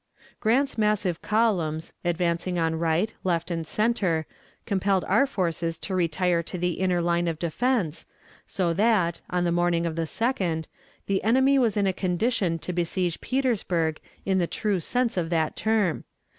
Grant's massive columns, advancing on right, left, and center, compelled our forces to retire to the inner line of defense, so that, on the morning of the 2d, the enemy was in a condition to besiege Petersburg in the true sense of that term.